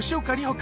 君